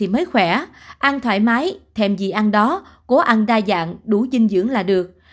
mới khỏe ăn thoải mái thêm gì ăn đó cố ăn đa dạng đủ dinh dưỡng là được